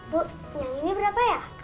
bu yang ini berapa ya